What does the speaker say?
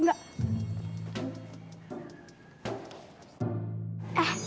enggak enggak enggak